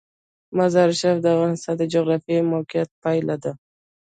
مزارشریف د افغانستان د جغرافیایي موقیعت پایله ده.